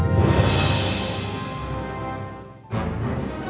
saya baru habis bersemangat